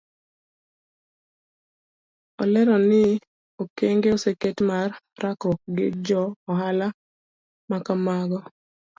Olero ni okenge oseket mar rakruok gi jo ohala makamago.